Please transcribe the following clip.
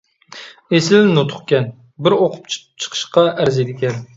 ئېسىل نۇتۇقكەن، بىر ئوقۇپ چىقىشقا ئەرزىيدىكەن.